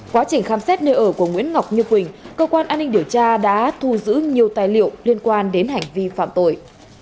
quá trình khám xét nơi ở của nguyễn ngọc như quỳnh cơ quan an ninh điều tra đã thu giữ nhiều tài liệu liên quan đến hành vi phạm tội